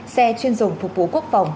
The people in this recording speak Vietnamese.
xe chuyên dùng phục vụ quốc phòng